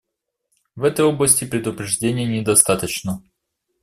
В этой области предупреждения недостаточно.